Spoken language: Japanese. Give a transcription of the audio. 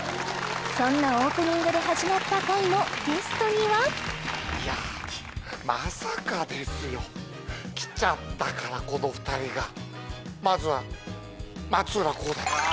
そんなオープニングで始まった回のゲストにはいやあまさかですよ来ちゃったからこの２人がまずは松浦航大